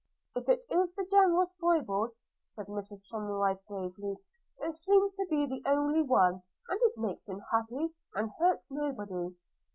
'If it is the General's foible,' said Mrs Somerive gravely, 'it seems to be the only one; and it makes him happy, and hurts nobody.